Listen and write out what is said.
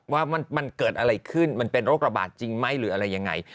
ว่ามันเกิดอะไรขึ้นมันเป็นโรคระบาดจริงไหมหรืออะไรยังไง